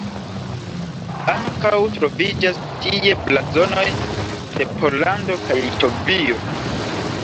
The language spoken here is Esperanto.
Ankaŭ troviĝas tie blazonoj de Pollando kaj Litovio.